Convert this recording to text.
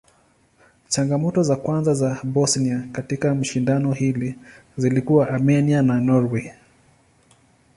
Changamoto za kwanza za Bosnia katika shindano hili zilikuwa Armenia na Norway.